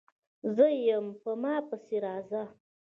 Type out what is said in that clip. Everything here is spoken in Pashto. _زه يم، په ما پسې راځه!